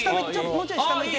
もうちょい下向いて！